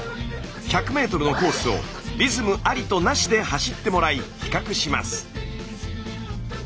１００ｍのコースをリズムありとなしで走ってもらい比較します。